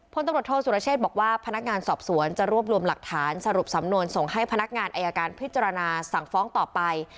พลตำรวจโทษสุรเชษบอกว่าพนักงานสอบสวนจะรวบรวมหลักฐานสรุปสำนวนส่งให้พนักงานอายการพิจารณาสั่งฟ้องต่อไป